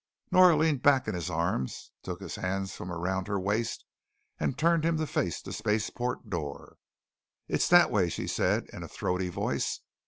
Nora leaned back in his arms, took his hands from around her waist, and turned him to face the spaceport door. "It's that way," she said in a throaty voice.